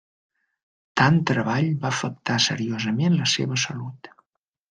Tant treball va afectar seriosament la seva salut.